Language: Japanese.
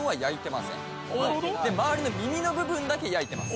まわりの耳の部分だけ焼いてます